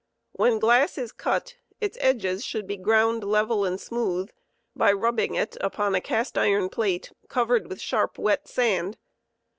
When glass is cut, its edges should be ground level and smooth by rubbing it upon a cast iron plate covered with sharp wet sand.